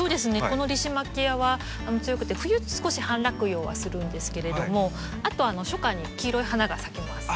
このリシマキアは強くて冬少し半落葉はするんですけれどもあと初夏に黄色い花が咲きます。